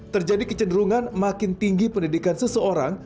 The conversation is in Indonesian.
terjadi kecenderungan makin tinggi pendidikan seseorang